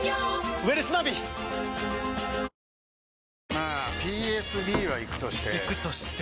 まあＰＳＢはイクとしてイクとして？